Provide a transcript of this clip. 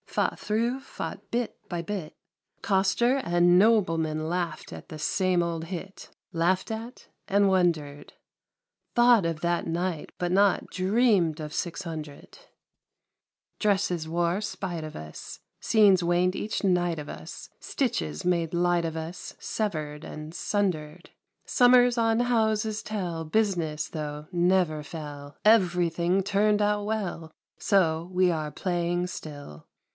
Fought thro', fought bit by bit ! Coster and Nobleman Laughed at the same old hit, Laughed at, and wondered, Thought of that night, but not Dreamed of Six Hundred ! Dresses wore spite of us. Scenes waned each night of us, Stitches made light of us. Severed and sundered ;'' Summers on ' houses ' tell, "Business," tho', never fell. Everything turned out well, So, we are playing still.